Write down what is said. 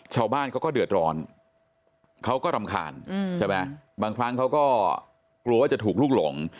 ชาวบ้านเขาก็เดือดร้อนเขาก็รำคาญใช่ไหมบางครั้งเขาก็กลัวว่าจะถูกลุกหลง